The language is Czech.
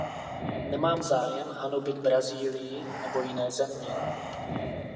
Nemám zájem hanobit Brazílii nebo jiné země.